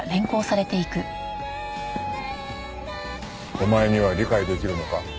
お前には理解できるのか？